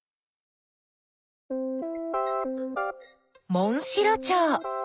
モンシロチョウ。